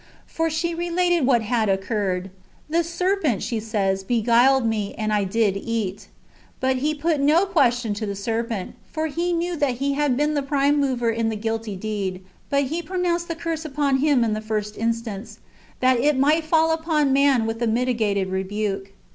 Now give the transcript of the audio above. For she related what had occurred. " The serpent," says she, "beguiled me, and I did eat." ^ But He jout no question to the serpent ; for He knew that he had been the prime mover in the guilty deed; but He pronounced the curse upon him in the first instance, that it might fall upon man with a mitigated rebuke.